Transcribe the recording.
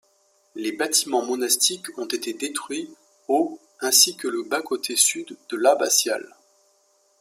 Les bâtiments monastiques ont été détruits au ainsi que le bas-côté sud de l'abbatiale.